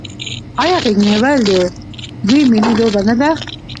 آیا غیږ نیول د دوی ملي لوبه نه ده؟